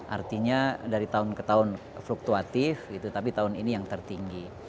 artinya dari tahun ke tahun fluktuatif tapi tahun ini yang tertinggi